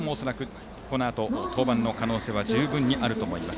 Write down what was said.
このあと登板の可能性は十分にあると思います。